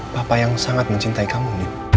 bapak yang sangat mencintai kamu